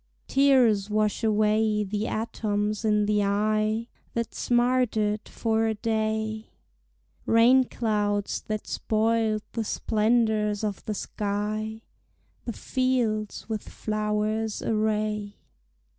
Tears wash away the atoms in the eye That smarted for a day; Rain clouds that spoiled the splendors of the sky The fields with flowers array.